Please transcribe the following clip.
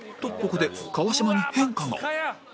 ここで川島に変化が